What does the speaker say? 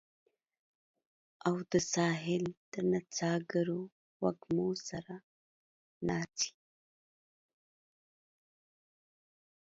او د ساحل د نڅاګرو وږمو سره ناڅي